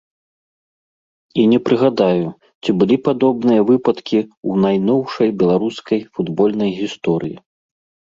І не прыгадаю, ці былі падобныя выпадкі ў найноўшай беларускай футбольнай гісторыі.